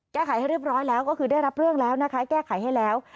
ให้เรียบร้อยแล้วก็คือได้รับเรื่องแล้วนะคะแก้ไขให้แล้ว